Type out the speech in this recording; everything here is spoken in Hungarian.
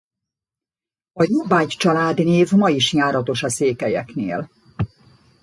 A Jobbágy családnév ma is járatos a székelyeknél.